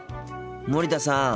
森田さん。